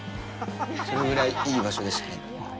それぐらいいい場所でしたね。